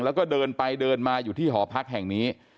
แล้วก็เดินไปเดินมาอยู่ที่หอพักแห่งนี้